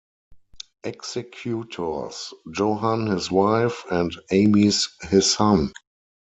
Executors: Johan his wife, and Amys his son.